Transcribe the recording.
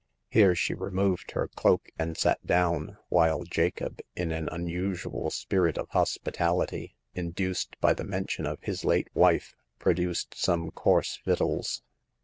Here she removed her cloak and sat down, while Jacob, in an unusual spirit of hospitality, induced by the mention of his late wife, produced some coarse victuals.